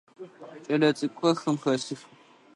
Кӏэлэцӏыкӏухэр хым хэсых.